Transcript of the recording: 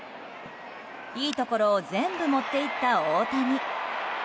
いいところを全部持っていった大谷。